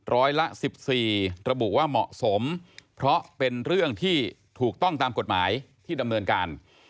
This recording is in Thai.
ร้อยละ๑๔ระบุว่าเหมาะสมเพราะเป็นเรื่องที่ถูกต้องตามกฎหมายที่ดำเนินการ